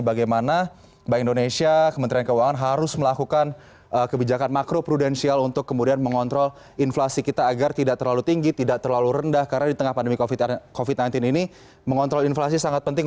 bagaimana bank indonesia kementerian keuangan harus melakukan kebijakan makro prudensial untuk kemudian mengontrol inflasi kita agar tidak terlalu tinggi tidak terlalu rendah karena di tengah pandemi covid sembilan belas ini mengontrol inflasi sangat penting